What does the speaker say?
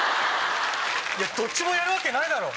いやどっちもやるわけないだろ